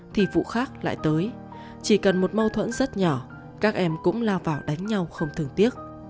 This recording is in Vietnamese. thì vụ khác lại tới chỉ cần một mâu thuẫn rất nhỏ các em cũng lao vào đánh nhau không thường tiếc